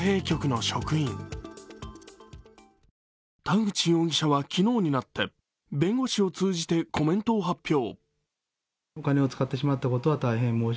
田口容疑者は昨日になって弁護士を通じて、コメントを発表。